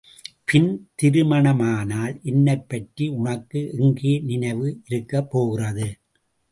பின் திருமணமானால் என்னைப்பற்றி உனக்கு எங்கே நினைவு இருக்கப்போகிறது?